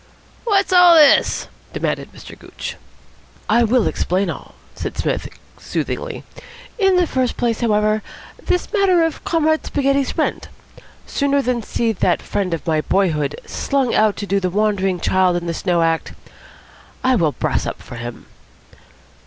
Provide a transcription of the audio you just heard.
"What's all this?" demanded Mr. Gooch. "I will explain all," said Psmith soothingly. "In the first place, however, this matter of Comrade Spaghetti's rent. Sooner than see that friend of my boyhood slung out to do the wandering child in the snow act, I will brass up for him."